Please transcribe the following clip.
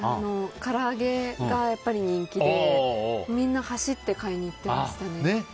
唐揚げがやっぱり人気でみんな走って買いに行ってましたね。